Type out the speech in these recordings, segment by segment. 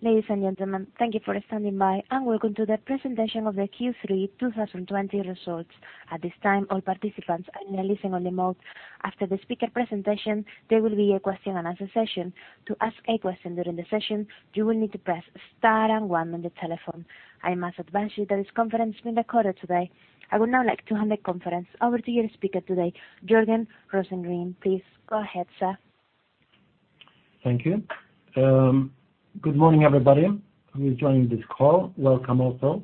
Ladies and gentlemen, thank you for standing by and welcome to the presentation of the Q3 2020 results. At this time, all participants are in a listen-only mode. After the speaker presentation, there will be a question-and-answer session. To ask a question during the session, you will need to press star and one on the telephone. I must advise you that this conference is being recorded today. I would now like to hand the conference over to your speaker today, Jörgen Rosengren. Please go ahead, sir. Thank you. Good morning, everybody. We're joining this call. Welcome also.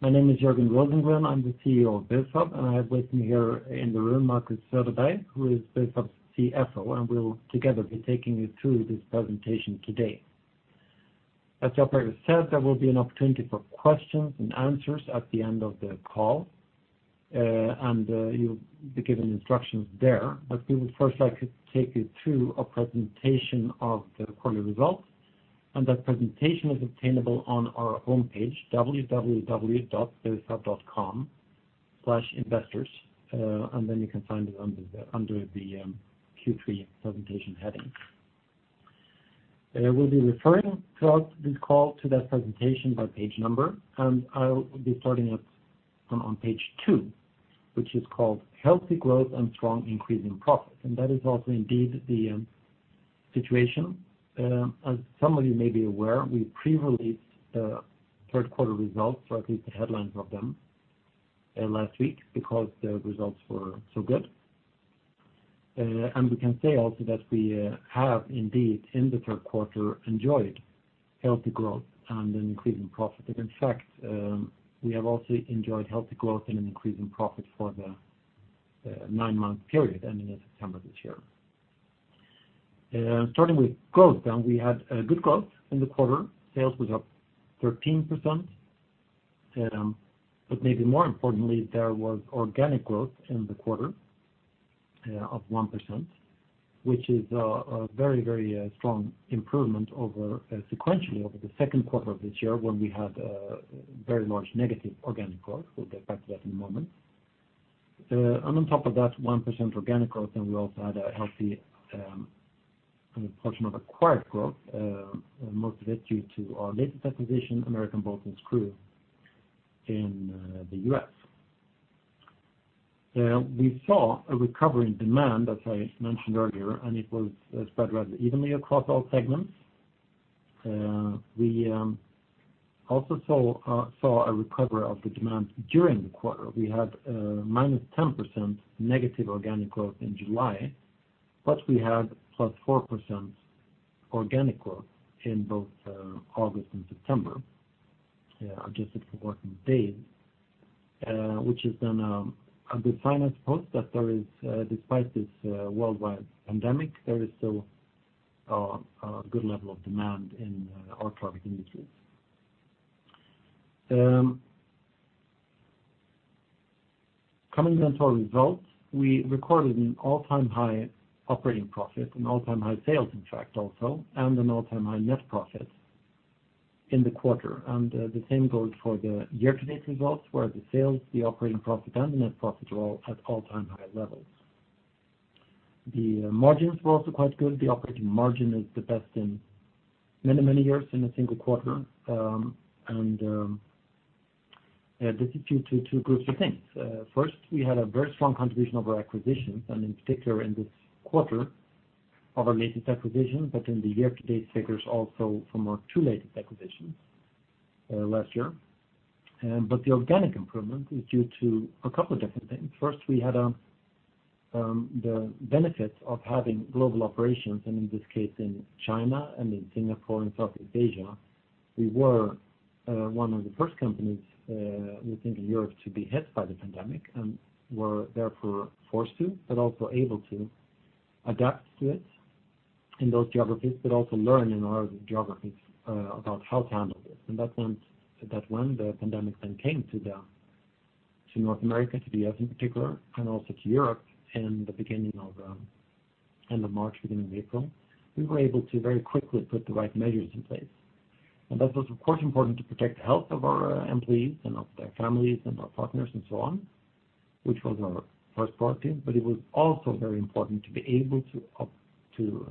My name is Jörgen Rosengren. I'm the CEO of Bufab, and I have with me here in the room Marcus Söderberg, who is Bufab's CFO, and we'll together be taking you through this presentation today. As the operator said, there will be an opportunity for questions and answers at the end of the call, and you'll be given instructions there. But we would first like to take you through a presentation of the quarterly results, and that presentation is obtainable on our homepage, www.bufab.com/investors, and then you can find it under the Q3 presentation heading. We'll be referring throughout this call to that presentation by page number, and I'll be starting on page two, which is called Healthy Growth and Strong Increase in Profit, and that is also indeed the situation. As some of you may be aware, we pre-released the third-quarter results, or at least the headlines of them, last week because the results were so good, and we can say also that we have indeed in the third quarter enjoyed healthy growth and an increase in profit. In fact, we have also enjoyed healthy growth and an increase in profit for the nine-month period ending in September this year. Starting with growth, we had good growth in the quarter. Sales was up 13%, but maybe more importantly, there was organic growth in the quarter of 1%, which is a very, very strong improvement sequentially over the second quarter of this year when we had very large negative organic growth. We'll get back to that in a moment. And on top of that, 1% organic growth, and we also had a healthy portion of acquired growth, most of it due to our latest acquisition, American Bolton Screw, in the U.S. We saw a recovery in demand, as I mentioned earlier, and it was spread rather evenly across all segments. We also saw a recovery of the demand during the quarter. We had minus 10% negative organic growth in July, but we had plus 4% organic growth in both August and September, adjusted for working days, which is then a good sign, I suppose, that despite this worldwide pandemic, there is still a good level of demand in our product industries. Coming then to our results, we recorded an all-time high operating profit, an all-time high sales, in fact, also, and an all-time high net profit in the quarter. The same goes for the year-to-date results, where the sales, the operating profit, and the net profit are all at all-time high levels. The margins were also quite good. The operating margin is the best in many, many years in a single quarter, and this is due to two groups of things. First, we had a very strong contribution of our acquisitions, and in particular in this quarter, our latest acquisition, but in the year-to-date figures also from our two latest acquisitions last year. The organic improvement is due to a couple of different things. First, we had the benefit of having global operations, and in this case, in China and in Singapore and Southeast Asia. We were one of the first companies, we think, in Europe to be hit by the pandemic and were therefore forced to, but also able to adapt to it in those geographies, but also learn in our geographies about how to handle this. And that meant that when the pandemic then came to North America, to the U.S. in particular, and also to Europe in the beginning of March, beginning of April, we were able to very quickly put the right measures in place. And that was, of course, important to protect the health of our employees and of their families and our partners and so on, which was our first priority. But it was also very important to be able to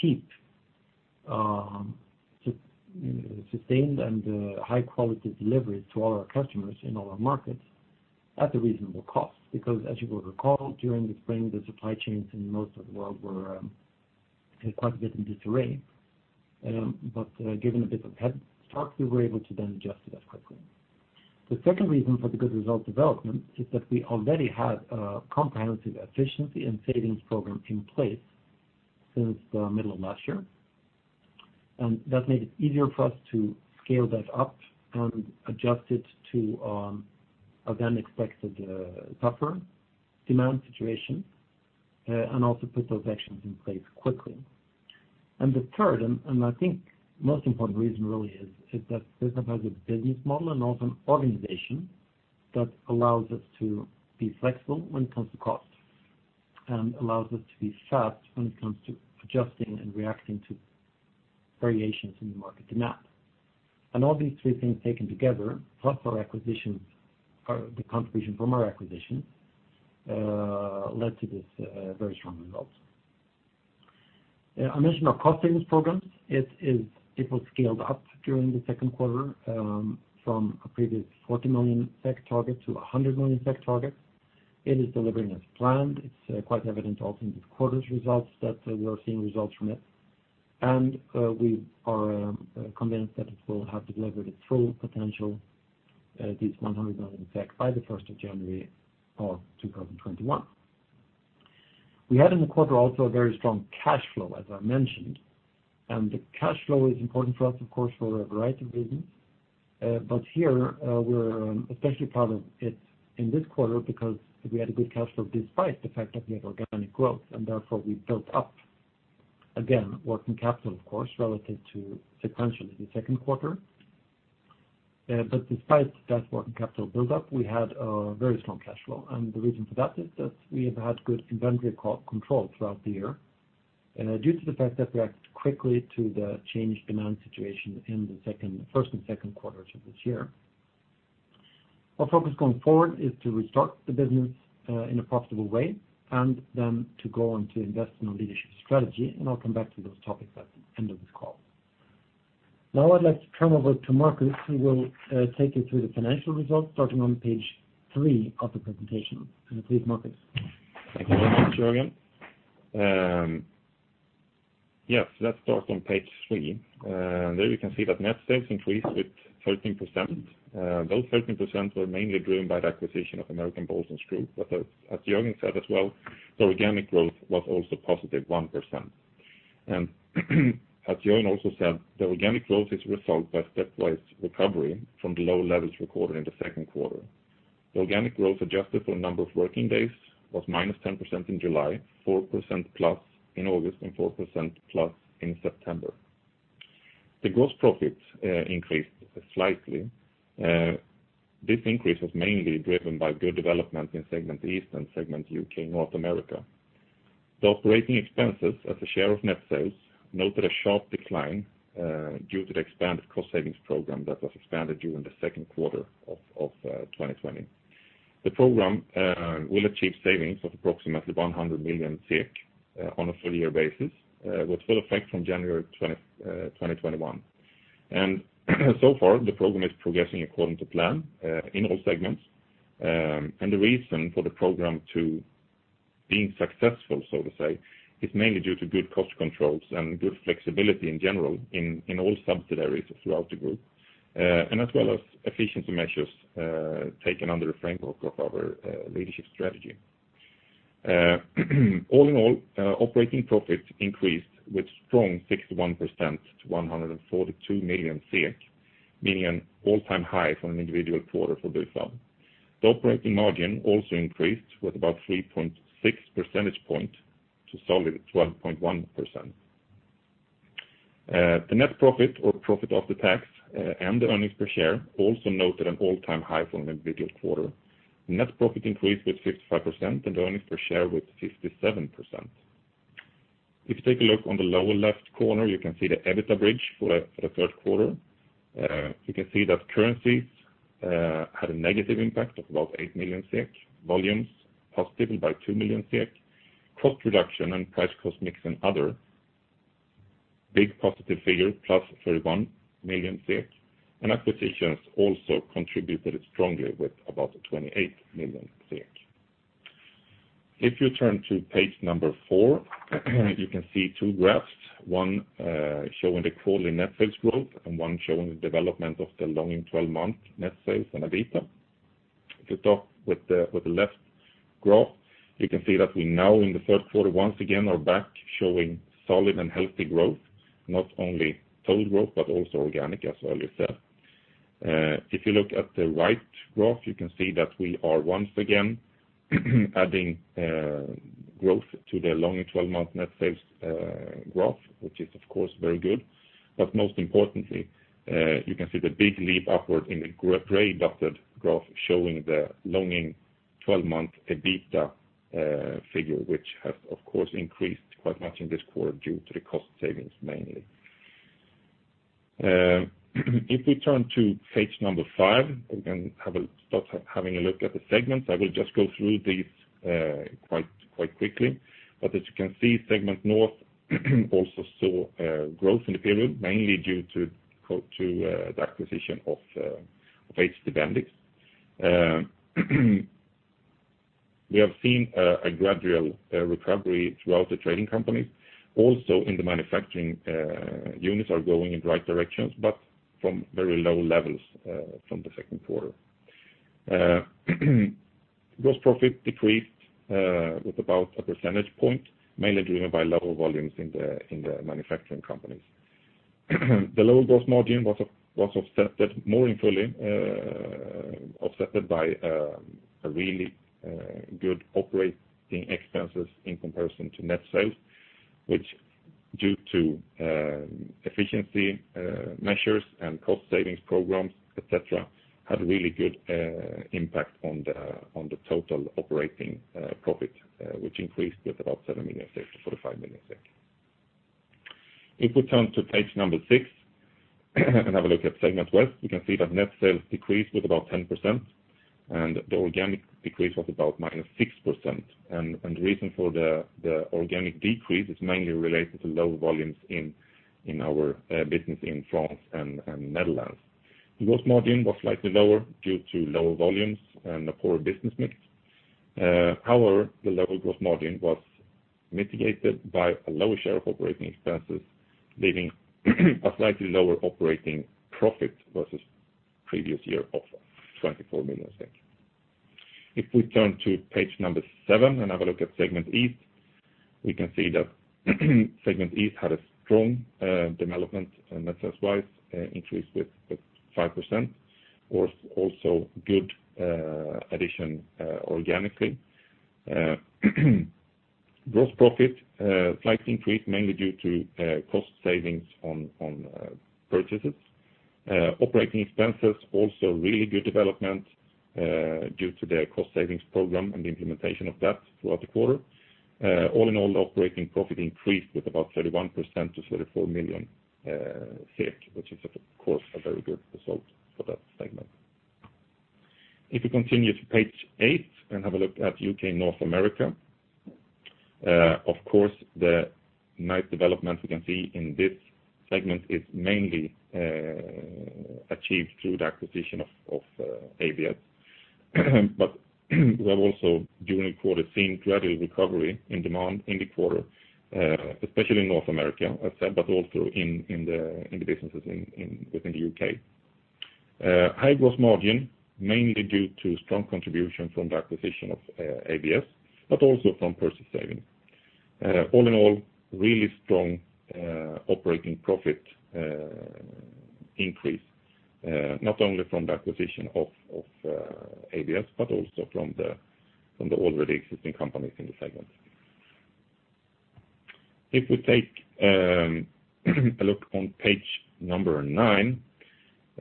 keep sustained and high-quality deliveries to all our customers in all our markets at a reasonable cost. Because, as you will recall, during the spring, the supply chains in most of the world were in quite a bit of disarray. But given a bit of head start, we were able to then adjust to that quickly. The second reason for the good results development is that we already had a comprehensive efficiency and savings program in place since the middle of last year, and that made it easier for us to scale that up and adjust it to our then expected tougher demand situation and also put those actions in place quickly. And the third, and I think most important reason really is that Bufab has a business model and also an organization that allows us to be flexible when it comes to cost and allows us to be fast when it comes to adjusting and reacting to variations in the market demand. All these three things taken together, plus the contribution from our acquisitions, led to this very strong result. I mentioned our cost savings programs. It was scaled up during the second quarter from a previous 40 million SEK target to 100 million SEK target. It is delivering as planned. It's quite evident also in this quarter's results that we are seeing results from it, and we are convinced that it will have delivered its full potential, these 100 million SEK, by the 1st of January of 2021. We had in the quarter also a very strong cash flow, as I mentioned, and the cash flow is important for us, of course, for a variety of reasons. But here, we're especially proud of it in this quarter because we had a good cash flow despite the fact that we had organic growth, and therefore we built up, again, working capital, of course, relative to sequentially the second quarter. But despite that working capital build-up, we had a very strong cash flow, and the reason for that is that we have had good inventory control throughout the year due to the fact that we acted quickly to the changed demand situation in the first and second quarters of this year. Our focus going forward is to restart the business in a profitable way and then to go on to invest in our leadership strategy, and I'll come back to those topics at the end of this call. Now I'd like to turn over to Marcus, who will take you through the financial results starting on page three of the presentation. Please, Marcus. Thank you very much, Jörgen. Yes, let's start on page three. There you can see that net sales increased with 13%. Those 13% were mainly driven by the acquisition of American Bolton Screw, but as Jörgen said as well, the organic growth was also positive, 1%, and as Jörgen also said, the organic growth is a result by stepwise recovery from the low levels recorded in the second quarter. The organic growth adjusted for the number of working days was -10% in July, +4% in August, and +4% in September. The gross profit increased slightly. This increase was mainly driven by good development in segment East and segment UK North America. The operating expenses as a share of net sales noted a sharp decline due to the expanded cost savings program that was expanded during the second quarter of 2020. The program will achieve savings of approximately 100 million SEK on a full-year basis, with full effect from January 2021, and so far, the program is progressing according to plan in all segments, and the reason for the program being successful, so to say, is mainly due to good cost controls and good flexibility in general in all subsidiaries throughout the group, and as well as efficiency measures taken under the framework of our leadership strategy. All in all, operating profit increased with strong 61% to 142 million, meaning an all-time high for an individual quarter for Bufab. The operating margin also increased with about 3.6 percentage points to solid 12.1%. The net profit, or profit after tax, and the earnings per share also noted an all-time high for an individual quarter. Net profit increased with 55% and earnings per share with 57%. If you take a look on the lower left corner, you can see the EBITDA bridge for the third quarter. You can see that currencies had a negative impact of about 8 million SEK, volumes positive by 2 million SEK, cost reduction and price cost mix and other big positive figure, plus 31 million SEK, and acquisitions also contributed strongly with about 28 million SEK. If you turn to page number four, you can see two graphs, one showing the quarterly net sales growth and one showing the development of the rolling 12-month net sales and EBITDA. If you start with the left graph, you can see that we now in the third quarter once again are back showing solid and healthy growth, not only total growth but also organic, as earlier said. If you look at the right graph, you can see that we are once again adding growth to the rolling 12-month net sales graph, which is, of course, very good. But most importantly, you can see the big leap upward in the gray dotted graph showing the rolling 12-month EBITDA figure, which has, of course, increased quite much in this quarter due to the cost savings mainly. If we turn to page number five, we can start having a look at the segments. I will just go through these quite quickly. But as you can see, Segment North also saw growth in the period, mainly due to the acquisition of HT Bendix. We have seen a gradual recovery throughout the trading companies. Also, in the manufacturing units are going in the right directions, but from very low levels from the second quarter. Gross profit decreased with about a percentage point, mainly driven by lower volumes in the manufacturing companies. The lower gross margin was more than fully offset by really good operating expenses in comparison to net sales, which due to efficiency measures and cost savings programs, etc., had a really good impact on the total operating profit, which increased with about 7 million-45 million. If we turn to page number six and have a look at Segment West, we can see that net sales decreased with about 10%, and the organic decrease was about -6%. And the reason for the organic decrease is mainly related to lower volumes in our business in France and Netherlands. The gross margin was slightly lower due to lower volumes and a poorer business mix. However, the lower gross margin was mitigated by a lower share of operating expenses, leaving a slightly lower operating profit versus previous year of 24 million. If we turn to page number seven and have a look at Segment East, we can see that Segment East had a strong development net sales-wise, increased with 5%, or also good addition organically. Gross profit slightly increased, mainly due to cost savings on purchases. Operating expenses also really good development due to the cost savings program and the implementation of that throughout the quarter. All in all, the operating profit increased with about 31% to 34 million, which is, of course, a very good result for that segment. If we continue to page eight and have a look at U.K. North America, of course, the nice development we can see in this segment is mainly achieved through the acquisition of ABS. but we have also, during the quarter, seen gradual recovery in demand in the quarter, especially in North America, as said, but also in the businesses within the U.K. High gross margin, mainly due to strong contribution from the acquisition of ABS, but also from purchase savings. All in all, really strong operating profit increase, not only from the acquisition of ABS, but also from the already existing companies in the segment. If we take a look on page number nine,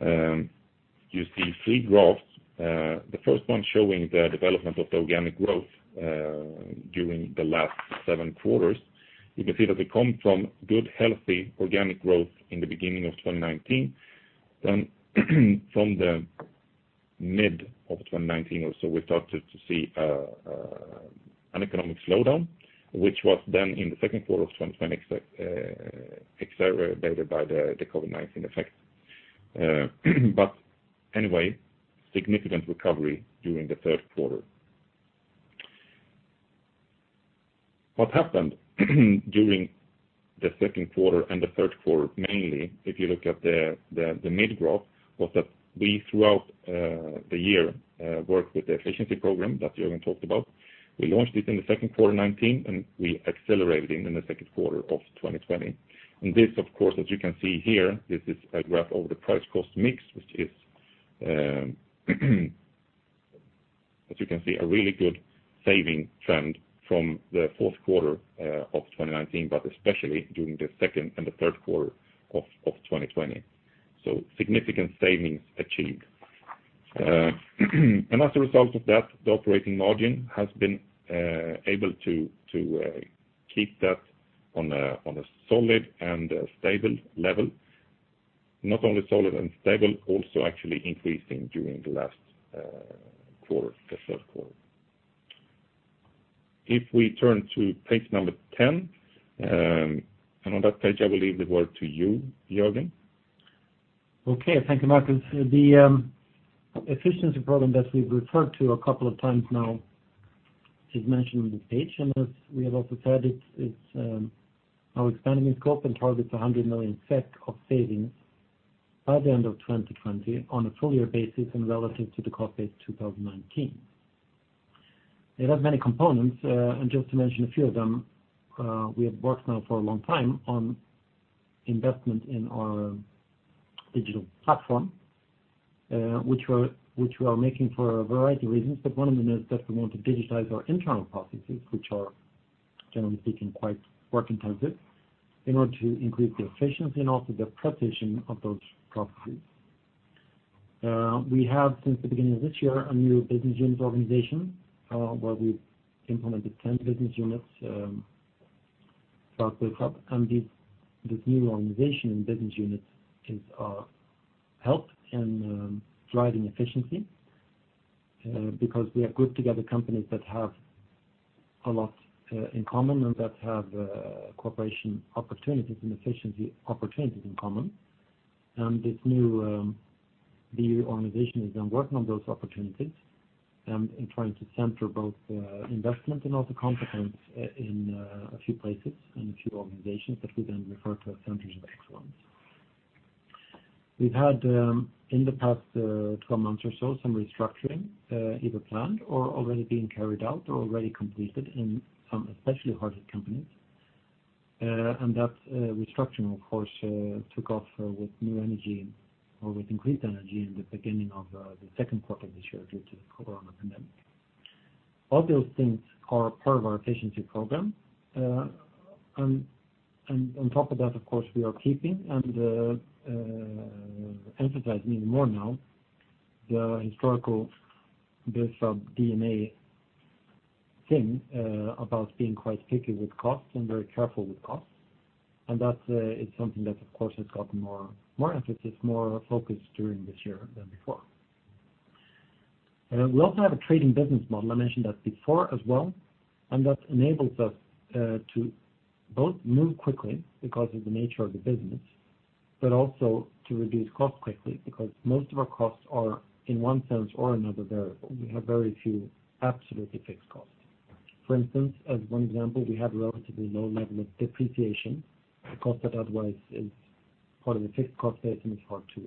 you see three graphs. The first one showing the development of the organic growth during the last seven quarters. You can see that we come from good, healthy organic growth in the beginning of 2019. then, from the mid of 2019 or so, we started to see an economic slowdown, which was then in the second quarter of 2020 exacerbated by the COVID-19 effect. But anyway, significant recovery during the third quarter. What happened during the second quarter and the third quarter, mainly, if you look at the mid graph, was that we, throughout the year, worked with the efficiency program that Jörgen talked about. We launched it in the second quarter 2019, and we accelerated it in the second quarter of 2020. And this, of course, as you can see here, this is a graph over the price cost mix, which is, as you can see, a really good saving trend from the fourth quarter of 2019, but especially during the second and the third quarter of 2020. So significant savings achieved. And as a result of that, the operating margin has been able to keep that on a solid and stable level. Not only solid and stable, also actually increasing during the last quarter, the third quarter. If we turn to page number 10, and on that page, I will leave the word to you, Jörgen. Okay. Thank you, Marcus. The efficiency program that we've referred to a couple of times now is mentioned on the page, and as we have also said, it's now expanding its scope and targets 100 million SEK of savings by the end of 2020 on a full-year basis and relative to the cost base 2019. It has many components, and just to mention a few of them, we have worked now for a long time on investment in our digital platform, which we are making for a variety of reasons, but one of them is that we want to digitize our internal processes, which are, generally speaking, quite work-intensive in order to increase the efficiency and also the precision of those processes. We have, since the beginning of this year, a new business unit organization where we've implemented 10 business units throughout Bufab, and this new organization and business unit is helping in driving efficiency because we have grouped together companies that have a lot in common and that have cooperation opportunities and efficiency opportunities in common. And this new organization is then working on those opportunities and trying to center both investment and also competence in a few places and a few organizations that we then refer to as centers of excellence. We've had, in the past 12 months or so, some restructuring either planned or already being carried out or already completed in some especially hard-hit companies. And that restructuring, of course, took off with new energy or with increased energy in the beginning of the second quarter of this year due to the corona pandemic. All those things are part of our efficiency program, and on top of that, of course, we are keeping and emphasizing even more now the historical Bufab DNA thing about being quite picky with costs and very careful with costs, and that is something that, of course, has gotten more emphasis, more focus during this year than before. We also have a trading business model. I mentioned that before as well, and that enables us to both move quickly because of the nature of the business, but also to reduce costs quickly because most of our costs are, in one sense or another, variable. We have very few absolutely fixed costs. For instance, as one example, we have a relatively low level of depreciation, a cost that otherwise is part of a fixed cost base and is hard to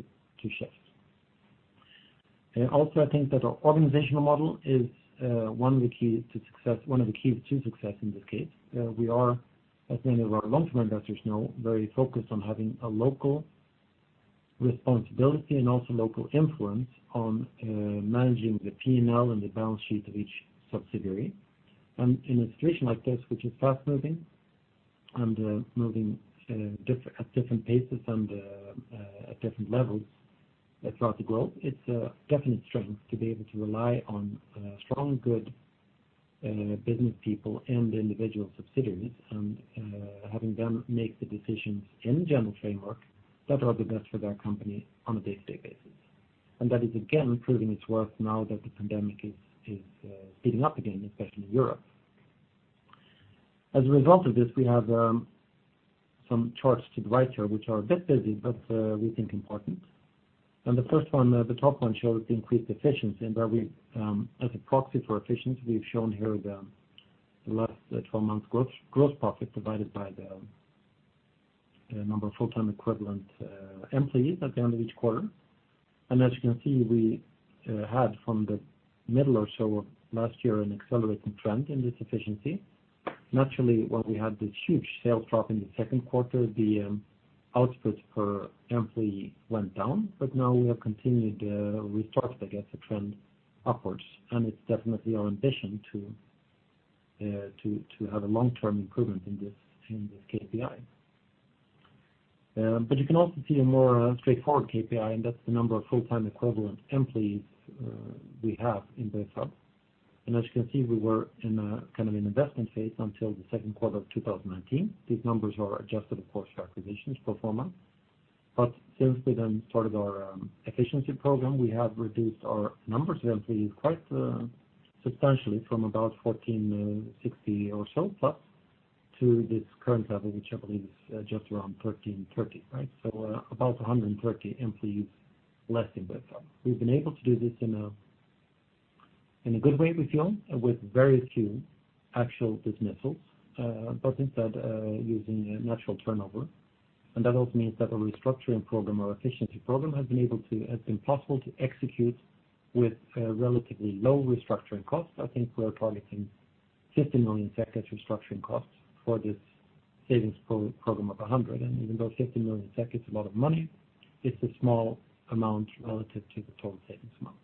shift. Also, I think that our organizational model is one of the keys to success, one of the keys to success in this case. We are, as many of our long-term investors know, very focused on having a local responsibility and also local influence on managing the P&L and the balance sheet of each subsidiary, and in a situation like this, which is fast-moving and moving at different paces and at different levels throughout the globe, it's a definite strength to be able to rely on strong, good business people and individual subsidiaries and having them make the decisions in the general framework that are the best for their company on a day-to-day basis, and that is, again, proving its worth now that the pandemic is speeding up again, especially in Europe. As a result of this, we have some charts to the right here, which are a bit busy, but we think important, and the first one, the top one, shows the increased efficiency and where we, as a proxy for efficiency, we've shown here the last 12 months' gross profit divided by the number of full-time equivalent employees at the end of each quarter, and as you can see, we had from the middle or so of last year an accelerating trend in this efficiency. Naturally, when we had this huge sales drop in the second quarter, the output per employee went down, but now we have continued restarted, I guess, the trend upwards, and it's definitely our ambition to have a long-term improvement in this KPI, but you can also see a more straightforward KPI, and that's the number of full-time equivalent employees we have in Bufab. As you can see, we were in kind of an investment phase until the second quarter of 2019. These numbers are adjusted, of course, for acquisitions performance. Since we then started our efficiency program, we have reduced our numbers of employees quite substantially from about 1460 or so plus to this current level, which I believe is just around 1330, right? About 130 employees less in Bufab. We've been able to do this in a good way, we feel, with very few actual dismissals, but instead using natural turnover. That also means that our restructuring program, our efficiency program, has been able to, has been possible to execute with relatively low restructuring costs. I think we're targeting 50 million as restructuring costs for this savings program of 100. And even though 50 million is a lot of money, it's a small amount relative to the total savings amount.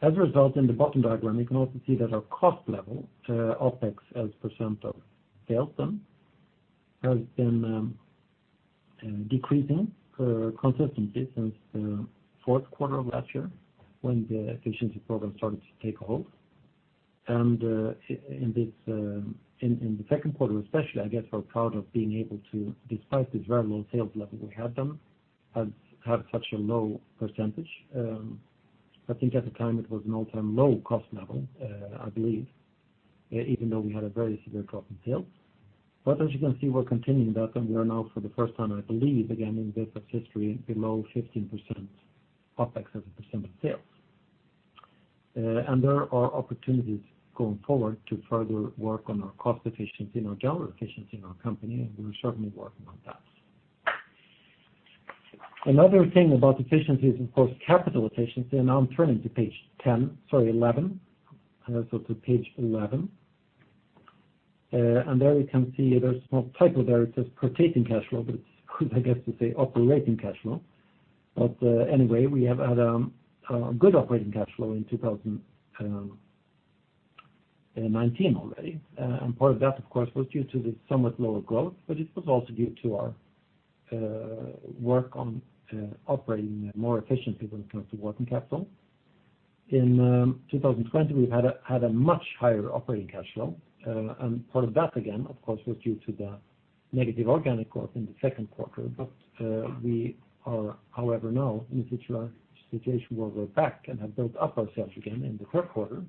As a result, in the bottom diagram, you can also see that our cost level, OpEx as percent of sales, then has been decreasing consistently since the fourth quarter of last year when the efficiency program started to take a hold. And in the second quarter, especially, I guess we're proud of being able to, despite this very low sales level we had then, have such a low percentage. I think at the time it was an all-time low cost level, I believe, even though we had a very severe drop in sales. But as you can see, we're continuing that, and we are now for the first time, I believe, again in Bufab's history, below 15% OpEx as a percent of sales. There are opportunities going forward to further work on our cost efficiency and our general efficiency in our company, and we're certainly working on that. Another thing about efficiency is, of course, capital efficiency, and now I'm turning to page 10, sorry, 11, so to page 11. There you can see there's a small typo there. It says quotating cash flow, but it's supposed, I guess, to say operating cash flow. Anyway, we have had a good operating cash flow in 2019 already. Part of that, of course, was due to the somewhat lower growth, but it was also due to our work on operating more efficiently when it comes to working capital. In 2020, we've had a much higher operating cash flow, and part of that, again, of course, was due to the negative organic growth in the second quarter, but we are, however, now in a situation where we're back and have built up ourselves again in the third quarter,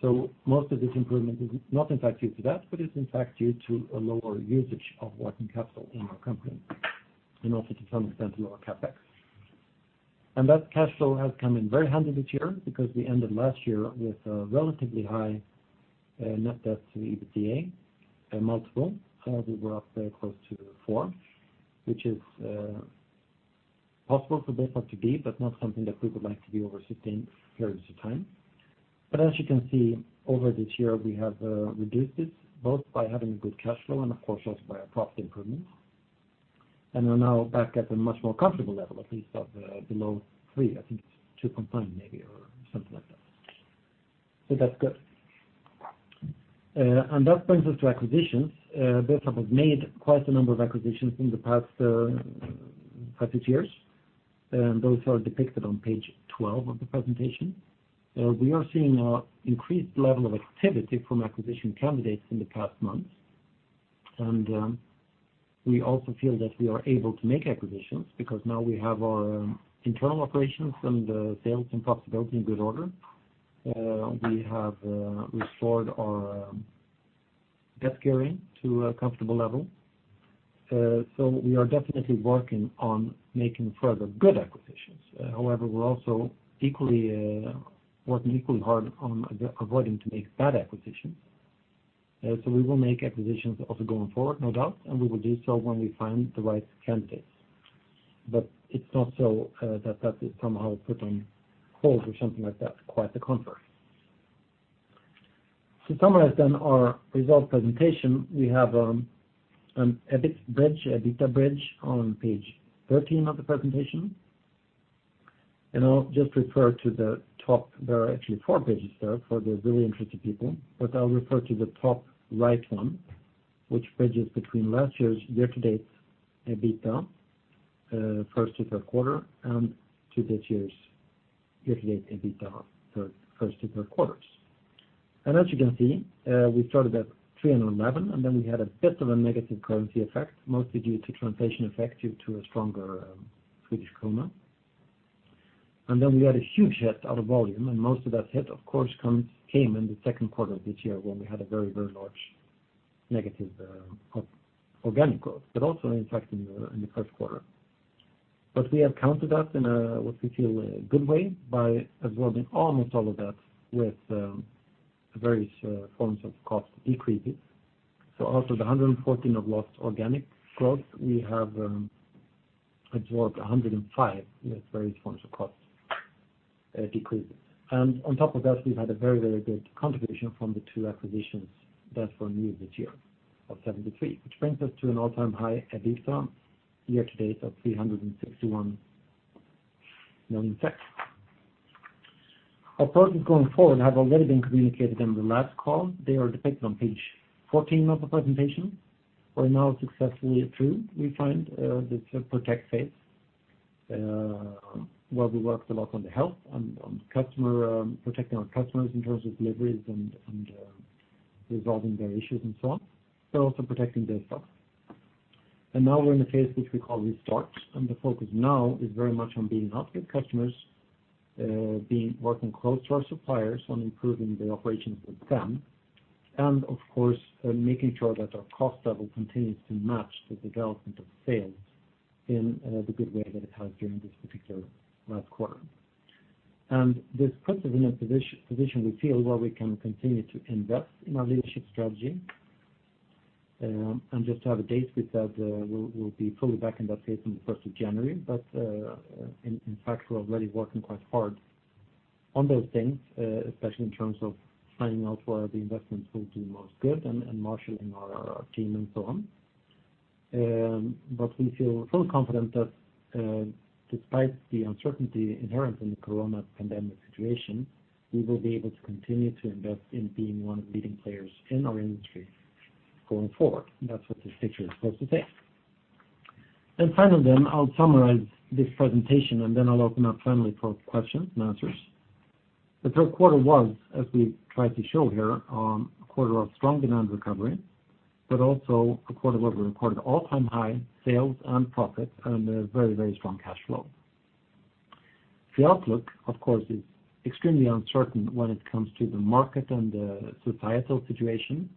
so most of this improvement is not, in fact, due to that, but it's, in fact, due to a lower usage of working capital in our company and also to some extent lower CapEx, and that cash flow has come in very handy this year because we ended last year with a relatively high net debt to EBITDA multiple, so we were up close to four, which is possible for Bufab to be, but not something that we would like to be over sustained periods of time. But as you can see, over this year, we have reduced this both by having a good cash flow and, of course, also by our profit improvements. And we're now back at a much more comfortable level, at least of below three. I think it's 2.9, maybe or something like that. So that's good. And that brings us to acquisitions. Bufab has made quite a number of acquisitions in the past five, six years, and those are depicted on page 12 of the presentation. We are seeing an increased level of activity from acquisition candidates in the past months, and we also feel that we are able to make acquisitions because now we have our internal operations and sales and profitability in good order. We have restored our debt gearing to a comfortable level. So we are definitely working on making further good acquisitions. However, we're also working equally hard on avoiding to make bad acquisitions. So we will make acquisitions also going forward, no doubt, and we will do so when we find the right candidates. But it's not so that that is somehow put on hold or something like that, quite the contrary. To summarize then our result presentation, we have an EBIT bridge, an EBITDA bridge on page 13 of the presentation. And I'll just refer to the top. There are actually four pages there for the really interested people, but I'll refer to the top right one, which bridges between last year's year-to-date EBITDA, first to third quarter, and to this year's year-to-date EBITDA, first to third quarters. And as you can see, we started at 311, and then we had a bit of a negative currency effect, mostly due to translation effect due to a stronger Swedish krona. And then we had a huge hit out of volume, and most of that hit, of course, came in the second quarter of this year when we had a very, very large negative organic growth, but also, in fact, in the first quarter. But we have countered that in a, what we feel, good way by absorbing almost all of that with various forms of cost decreases. So out of the 114 of lost organic growth, we have absorbed 105 with various forms of cost decreases. And on top of that, we've had a very, very good contribution from the two acquisitions that were new this year of 73, which brings us to an all-time high EBITDA year-to-date of 361 million. Our progress going forward have already been communicated in the last call. They are depicted on page 14 of the presentation, where, now successfully through, we find this protect phase where we worked a lot on the health and on protecting our customers in terms of deliveries and resolving their issues and so on, but also protecting Bufab. And now we're in a phase which we call restart, and the focus now is very much on being out with customers, working close to our suppliers on improving the operations with them, and, of course, making sure that our cost level continues to match the development of sales in the good way that it has during this particular last quarter. And this puts us in a position we feel where we can continue to invest in our leadership strategy. And just to have a date, we said we'll be fully back in that phase on the 1st of January, but in fact, we're already working quite hard on those things, especially in terms of finding out where the investments will do most good and marshaling our team and so on. But we feel fully confident that despite the uncertainty inherent in the corona pandemic situation, we will be able to continue to invest in being one of leading players in our industry going forward. That's what this picture is supposed to say. And finally then, I'll summarize this presentation, and then I'll open up finally for questions and answers. The third quarter was, as we've tried to show here, a quarter of strong demand recovery, but also a quarter where we recorded all-time high sales and profits and a very, very strong cash flow. The outlook, of course, is extremely uncertain when it comes to the market and the societal situation,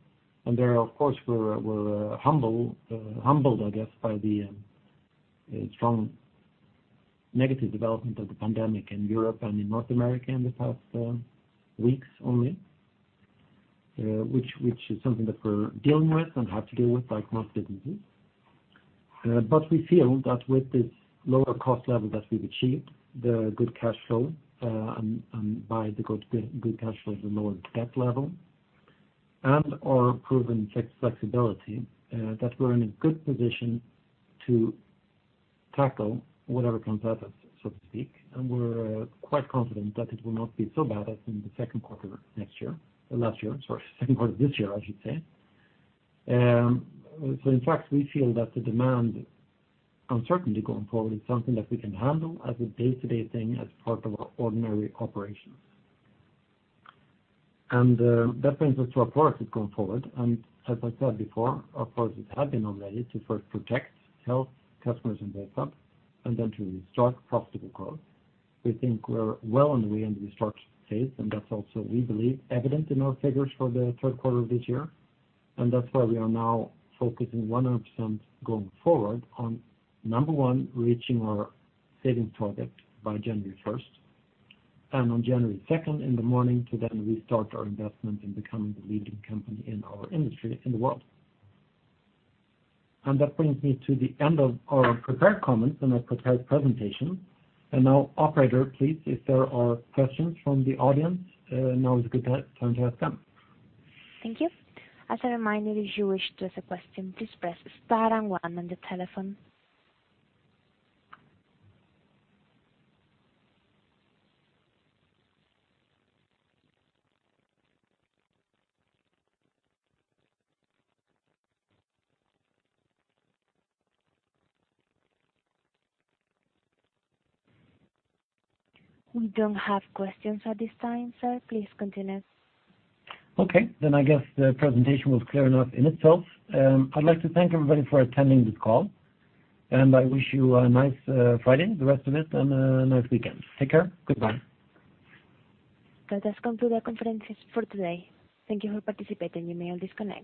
and there, of course, we're humbled, I guess, by the strong negative development of the pandemic in Europe and in North America in the past weeks only, which is something that we're dealing with and have to deal with like most businesses. But we feel that with this lower cost level that we've achieved, the good cash flow, and by the good cash flow, the lower debt level, and our proven flexibility, that we're in a good position to tackle whatever comes at us, so to speak. And we're quite confident that it will not be so bad as in the second quarter next year, last year, sorry, second quarter this year, I should say. So in fact, we feel that the demand uncertainty going forward is something that we can handle as a day-to-day thing as part of our ordinary operations. And that brings us to our progress going forward. And as I said before, our progress has been already to first protect health customers in Bufab and then to restart profitable growth. We think we're well on the way into the restart phase, and that's also, we believe, evident in our figures for the third quarter of this year. And that's where we are now focusing 100% going forward on, number one, reaching our savings target by January 1st, and on January 2nd in the morning to then restart our investment in becoming the leading company in our industry in the world. And that brings me to the end of our prepared comments and our prepared presentation. And now, operator, please, if there are questions from the audience, now is a good time to ask them. Thank you. As a reminder, if you wish to ask a question, please press star and one on the telephone. We don't have questions at this time, sir. Please continue. Okay. Then I guess the presentation was clear enough in itself. I'd like to thank everybody for attending this call, and I wish you a nice Friday, the rest of it, and a nice weekend. Take care. Goodbye. That has come to the conferences for today. Thank you for participating. You may also disconnect.